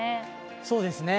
そうですね。